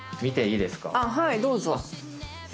はーいどうぞ。